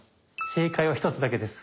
正解は一つだけです。